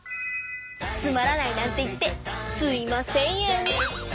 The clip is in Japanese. つまらないなんて言ってすいま千円。